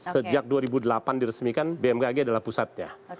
sejak dua ribu delapan diresmikan bmkg adalah pusatnya